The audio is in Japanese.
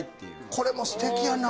これもすてきやな。